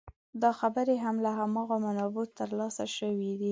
دا خبرې هم له هماغو منابعو تر لاسه شوې دي.